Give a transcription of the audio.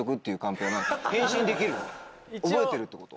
覚えてるってこと？